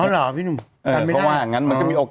เออเหรอพี่นุ่มกันไม่ได้